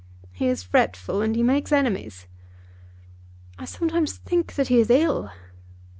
He is fretful and he makes enemies." "I sometimes think that he is ill."